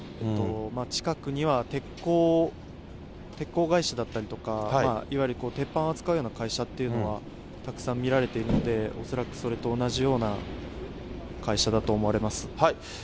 近くには鉄工会社だったりとか、いわゆる鉄板を扱うような会社っていうのはたくさん見られているんで、恐らくそれと同じような会社だと思われます。